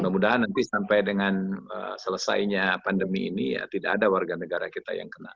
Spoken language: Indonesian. mudah mudahan nanti sampai dengan selesainya pandemi ini ya tidak ada warga negara kita yang kena